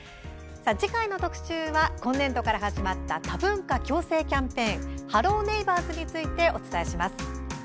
次回の特集は今年度から始まった多文化共生キャンペーン「ハロー！ネイバーズ」についてお伝えします。